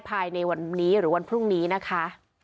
ภายในวันนี้หรือวันพรุ่งนี้นะคะ